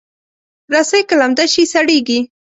رسۍ که لمده شي، سړېږي.